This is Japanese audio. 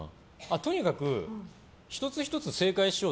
とにかく１つ１つ正解しよう